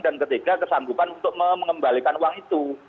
dan ketiga kesanggupan untuk mengembalikan uang itu